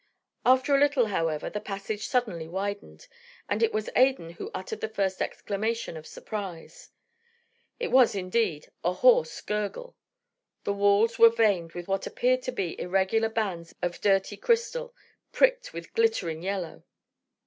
After a little, however, the passage suddenly widened, and it was Adan who uttered the first exclamation of surprise. It was, indeed, a hoarse gurgle. The walls were veined with what appeared to be irregular bands of dirty crystal, pricked with glittering yellow.